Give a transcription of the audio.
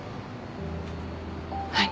はい。